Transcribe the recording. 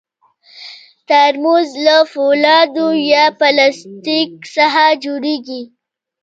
ترموز له فولادو یا پلاستیک څخه جوړېږي.